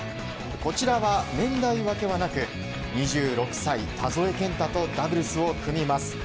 こちらは、年代分けはなく２６歳、田添健汰とダブルスを組みます。